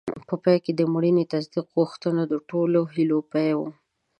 په پای کې د مړینې تصدیق غوښتنه د ټولو هیلو پای و.